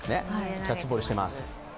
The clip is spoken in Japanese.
キャッチボールしてます。